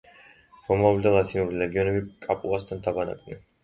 რომაული და ლათინური ლეგიონები კაპუასთან დაბანაკდნენ.